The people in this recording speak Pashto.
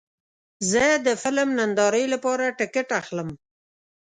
زه د فلم نندارې لپاره ټکټ اخلم.